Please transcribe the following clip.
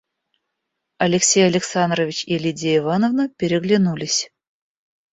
Алексей Александрович и Лидия Ивановна переглянулись.